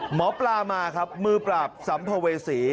หมอปลามาครับมือปราบสัมภเวษี